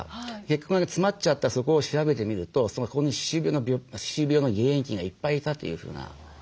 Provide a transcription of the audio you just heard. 血管が詰まっちゃったそこを調べてみるとそこに歯周病の原因菌がいっぱいいたというふうなね